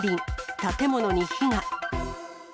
建物に火が。